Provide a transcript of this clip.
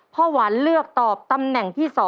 หวานเลือกตอบตำแหน่งที่๒